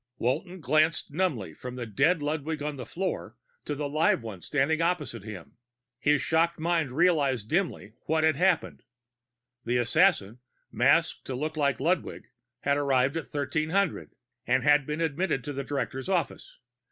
Walton glanced numbly from the dead Ludwig on the floor to the live one standing opposite him. His shocked mind realized dimly what had happened. The assassin, masked to look like Ludwig, had arrived at 1300, and had been admitted to the director's office.